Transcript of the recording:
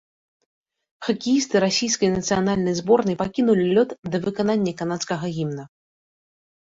Хакеісты расійскай нацыянальнай зборнай пакінулі лёд да выканання канадскага гімна.